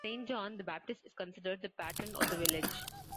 Saint John the Baptist is considered the patron of the village.